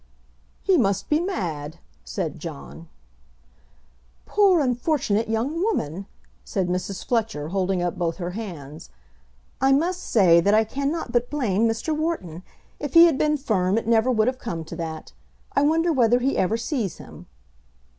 "He must be mad," said John. "Poor unfortunate young woman!" said Mrs. Fletcher, holding up both her hands. "I must say that I cannot but blame Mr. Wharton. If he had been firm, it never would have come to that. I wonder whether he ever sees him."